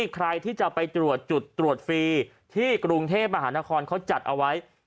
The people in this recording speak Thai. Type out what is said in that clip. ใครที่จะไปตรวจจุดตรวจฟรีที่กรุงเทพมหานครเขาจัดเอาไว้